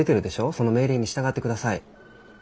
その命令に従ってください。